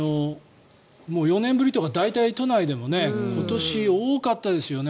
もう４年ぶりとか、大体都内でも今年、多かったですよね。